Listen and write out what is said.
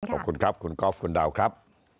ขอบคุณครับคุณกอล์ฟคุณดาวครับ